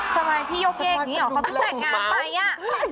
ทำไมพี่ยกเยกนี้เหรอเขาที่แสดงงานไป